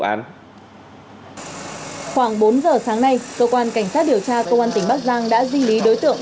khoảng bốn giờ sáng nay cơ quan cảnh sát điều tra công an tỉnh bắc giang đã di lý đối tượng